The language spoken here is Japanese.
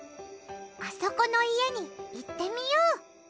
あそこの家に行ってみよう。